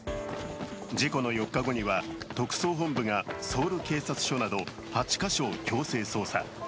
事故の４日後には特捜部本部がソウル警察署など８か所を強制捜査。